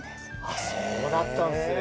あっそうだったんすね。